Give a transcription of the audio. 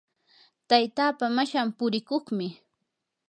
taytapaa mashan purikuqmi.